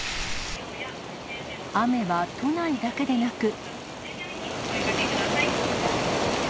雨は都内だけでなく。